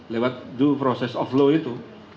lewat proses penyelidikan itu